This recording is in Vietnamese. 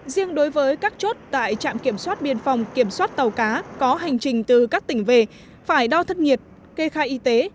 riêng đối với các chốt tại trạm kiểm soát biên phòng kiểm soát tàu cá có hành trình từ các tỉnh về phải đo thân nhiệt kê khai y tế